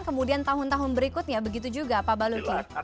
kemudian tahun tahun berikutnya begitu juga pak baluki